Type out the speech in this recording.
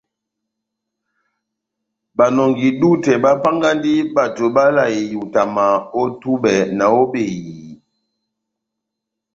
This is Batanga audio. Banɔngi-dútɛ bapángahindi bato bavalahani ihutama ó túbɛ ná ó behiyi.